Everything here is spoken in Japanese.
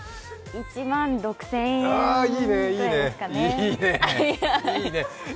１万６０００円ぐらいですかね。